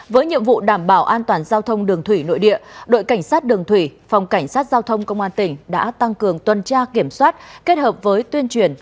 với nhiệm vụ đảm bảo an toàn giao thông đường thủy nội địa đội cảnh sát đường thủy phòng cảnh sát giao thông công an tỉnh đã tăng cường tuần tra kiểm soát kết hợp với tuyên truyền